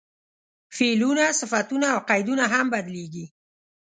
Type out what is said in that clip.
فعلونه، صفتونه او قیدونه هم بدلېږي.